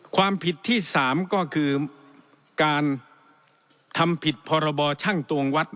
ความผิดที่๓ก็คือการทำผิดพรบช่างตวงวัด